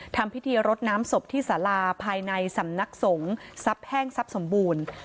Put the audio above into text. ทำพิธีรดน้ำศพที่สาราภายในสำนักสงฆ์ทรัพย์แห้งทรัพย์สมบูรณ์